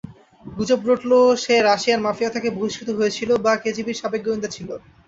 গুজব রটলো সে রাশিয়ান মাফিয়া থেকে বহিষ্কৃত হয়েছিল বা কেজিবির সাবেক গোয়েন্দা ছিল।